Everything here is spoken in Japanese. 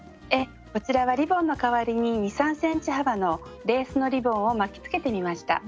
こちらはリボンの代わりに２３ｃｍ幅のレースのリボンを巻きつけてみました。